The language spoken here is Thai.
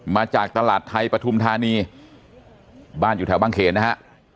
มาจากตลาดไทยปฐุมธานีบ้านอยู่แถวบางเขนนะฮะ